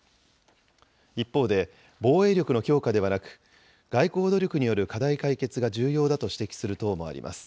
一方で防衛力の強化ではなく、外交努力による課題解決が重要だと指摘する党もあります。